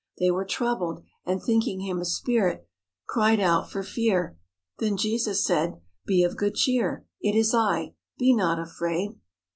They were troubled, and, thinking Him a spirit, cried out for fear. Then Jesus said: "Be of good cheer; it is I; be not afraid."